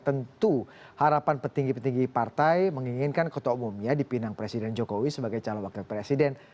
tentu harapan petinggi petinggi partai menginginkan kota umumnya dipinang presiden jokowi sebagai calon wakil presiden